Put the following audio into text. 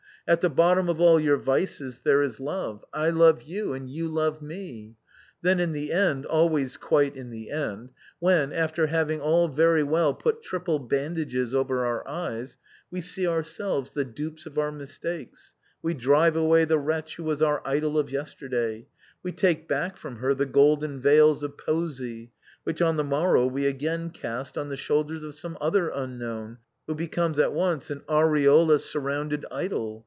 At the bottom of all your vices there is love. I MIMI IN FINE FEATHER. 291 love you, and you love me !' Then in the end, always quite in the end, when, after having all very well put triple bandages over our eyes, we see ourselves the dupes of our mistakes, we drive away the wretch who was our idol of yes terday; we take back from her the golden veils of poesy, which, on the morrow, we again cast on the shoulders of some other unknown, who becomes at once an aureola sur rounded idol.